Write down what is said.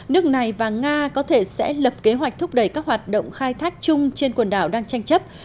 nước này và nga có thể sẽ lập kế hoạch thúc đẩy các hoạt động khai thác chung trên quần đảo đang tranh chấp